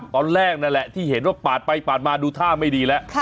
ตอนแรกนั่นแหละที่เห็นว่าปาดไปปาดมาดูท่าไม่ดีแล้ว